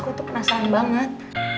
masa aku penasaran banget